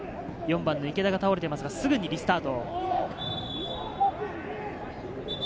４番の池田が倒れていますが、鈴木リスタート。